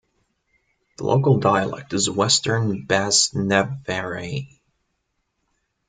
The local dialect is western "bas-navarrais".